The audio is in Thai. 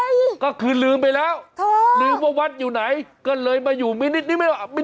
เว้ยก็คือลืมไปแล้วลืมว่าวัดอยู่ไหนก็เลยมาอยู่มินิมาร์ทแทน